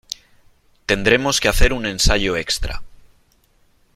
Tendremos que hacer un ensayo extra.